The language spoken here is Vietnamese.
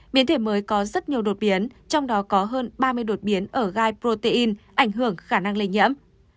biến thể mới có rất nhiều đột biến trong đó có hơn ba mươi đột biến ở gai protein ảnh hưởng khả năng lây nhiễm